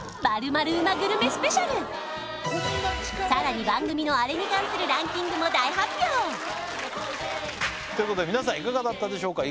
スペシャルさらに番組のアレに関するランキングも大発表！ということで皆さんいかがだったでしょうか？